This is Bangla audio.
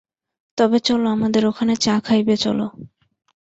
তবে চলো, আমাদের ওখানে চা খাইবে চলো।